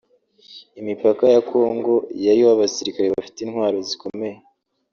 Imipaka ya Congo yariho abasirikare bafite intwaro zikomeye